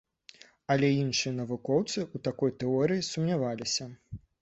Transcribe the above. Але іншыя навукоўцы ў такой тэорыі сумняваліся.